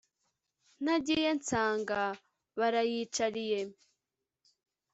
Ntagiye nsanga bariyicariye